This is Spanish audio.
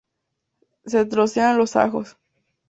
Se trocean los ajos.